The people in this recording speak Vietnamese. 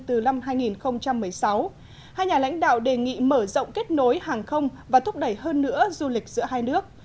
từ năm hai nghìn một mươi sáu hai nhà lãnh đạo đề nghị mở rộng kết nối hàng không và thúc đẩy hơn nữa du lịch giữa hai nước